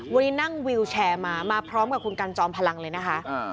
วันนี้นั่งวิวแชร์มามาพร้อมกับคุณกันจอมพลังเลยนะคะ